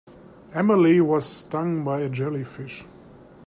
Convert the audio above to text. Emily was stung by a jellyfish.